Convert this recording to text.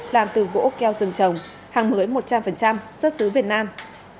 làm từ gỗ keo rừng trồng hàng mới một trăm linh xuất xứ việt nam